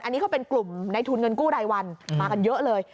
อันนี้ก็เป็นกลุ่มในทุนเงินกู้รายวันมากันเยอะเลย